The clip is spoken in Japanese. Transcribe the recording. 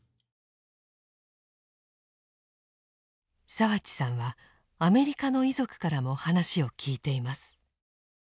澤地さんはアメリカの遺族からも話を聞いています。